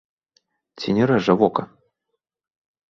Ці не рэжа вока?